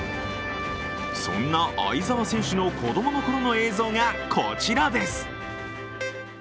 そんな相澤選手の子供のころの映像がこちらです。